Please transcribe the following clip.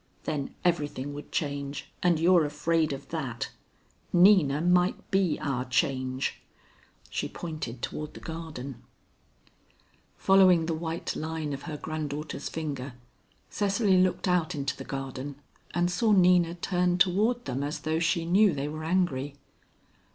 Then everything would change, and you're afraid of that. Nina might be our change." She pointed toward the garden. Following the white line of her granddaughter's finger, Cecily looked out into the garden and saw Nina turn toward them as though she knew they were angry.